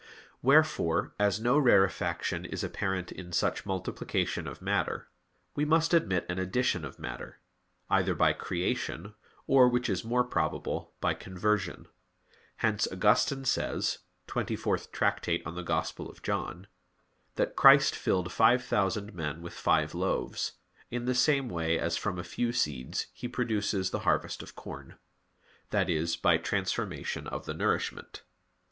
Wherefore, as no rarefaction is apparent in such multiplication of matter, we must admit an addition of matter: either by creation, or which is more probable, by conversion. Hence Augustine says (Tract. xxiv in Joan.) that "Christ filled five thousand men with five loaves, in the same way as from a few seeds He produces the harvest of corn" that is, by transformation of the nourishment.